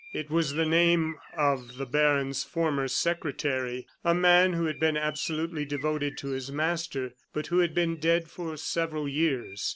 It was the name of the baron's former secretary, a man who had been absolutely devoted to his master, but who had been dead for several years.